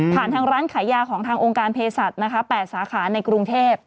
ทางร้านขายยาของทางองค์การเพศสัตว์๘สาขาในกรุงเทพ